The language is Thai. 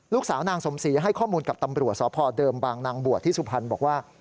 ลูกสาวนางสมศรีให้ข้อมูลกับตำรวจสพเดิมบางนางบวชที่สุพรรณบอกว่า